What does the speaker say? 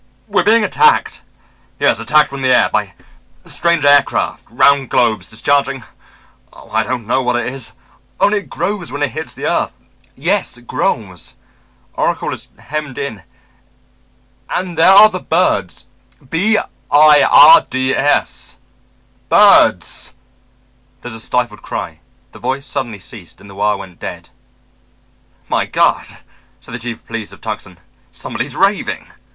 We're being attacked. Yes, attacked from the air. By strange aircraft, round globes, discharging oh, I don't know what it is; only it grows when it hits the earth. Yes, grows. Oracle is hemmed in. And there are the birds b i r d s, birds " There was a stifled cry, the voice suddenly ceased, and the wire went dead. "My God!" said the chief of police of Tucson, "somebody's raving."